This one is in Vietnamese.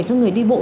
cho người đi bộ